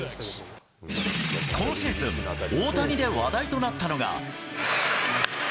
今シーズン、大谷で話題となったのが。